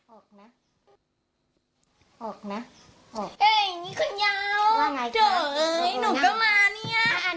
ออกนะออกนะออกเอ้ยนี่คุณยาวว่าไงค่ะหนูก็มาเนี้ย